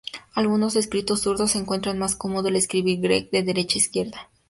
Algunos escritores zurdos encuentran más cómodo el escribir Gregg de derecha a izquierda.